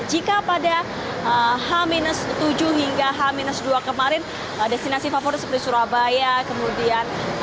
jika pada h tujuh hingga h dua kemarin destinasi favorit seperti surabaya kemudian